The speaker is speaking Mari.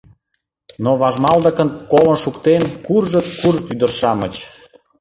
Но важмалдыкын колын шуктен: куржыт, куржыт ӱдыр-шамыч.